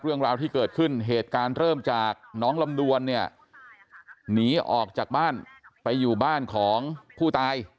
เรื่องราวที่เกิดขึ้นเหตุการณ์เริ่มจากน้องลำดวนเนี่ยหนีออกจากบ้านไปอยู่บ้านของผู้ตาย